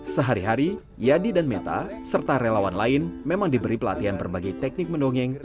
sehari hari yadi dan meta serta relawan lain memang diberi pelatihan berbagai teknik mendongeng